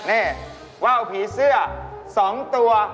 นี่ว่าวผีเสื้อ๒ตัว